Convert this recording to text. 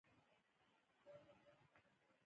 چې د کوچني کاروبار وس لري